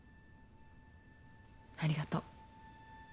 ありがとう。